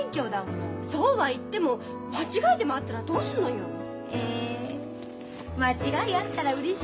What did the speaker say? そうはいっても間違いでもあったらどうすんのよ？え間違いあったらうれしい。